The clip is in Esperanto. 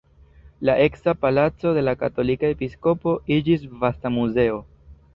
La eksa palaco de la katolika episkopo iĝis vasta muzeo.